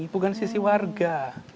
bukan sisi warga